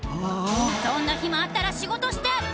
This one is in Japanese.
そんな暇あったら仕事して！